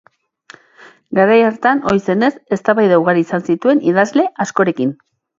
Garai hartan ohi zenez, eztabaida ugari izan zituen idazle askorekin.